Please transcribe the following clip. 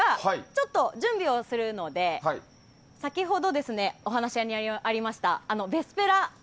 ちょっと準備をするので先ほどお話にありましたヴェスペラ。